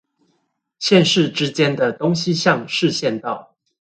縣市之間的東西向市縣道